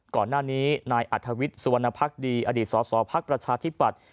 ก่อนหน้านี้นายอัธวิทย์สุวรรณภักดีอดีตสสพักประชาธิปัตย์